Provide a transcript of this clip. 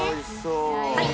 はい。